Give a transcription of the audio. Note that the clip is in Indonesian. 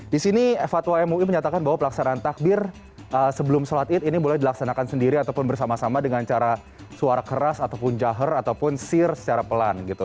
di sini fatwa mui menyatakan bahwa pelaksanaan takbir sebelum sholat id ini boleh dilaksanakan sendiri ataupun bersama sama dengan cara suara keras ataupun jahe ataupun sir secara pelan gitu